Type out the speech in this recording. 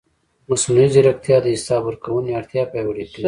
مصنوعي ځیرکتیا د حساب ورکونې اړتیا پیاوړې کوي.